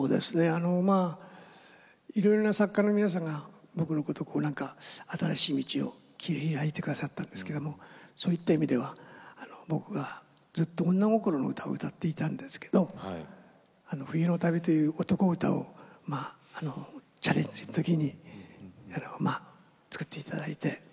いろいろな作家の皆さんが僕のことを新しい道を切り開いてくださったんですけどそういう意味では僕が、ずっと女心の歌を歌っていたんですけど「冬の旅」という男歌をチャレンジしたときに作っていただいて。